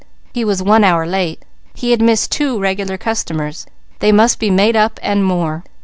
He was one hour late. He had missed two regular customers. They must be made up and more.